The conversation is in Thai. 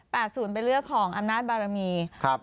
๘๐เป็นเลขของอำนาจบารมี